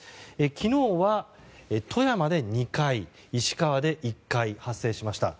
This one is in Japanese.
昨日は、富山で２回石川で１回発生しました。